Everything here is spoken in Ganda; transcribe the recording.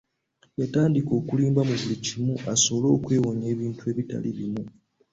Yatandika okulimba mu buli kimu asobole okwewonya ebintu ebitali bimu.